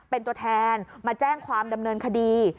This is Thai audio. เป็นตัวแทนมาแจ้งความดำเนินคดี